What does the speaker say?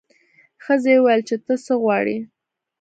ښځې وویل چې ته څه غواړې.